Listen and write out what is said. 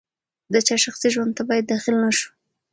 د چا شخصي ژوند ته باید داخل نه شو.